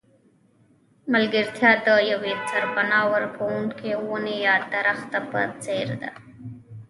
ملګرتیا د یوې سرپناه ورکوونکې ونې یا درخته په څېر ده.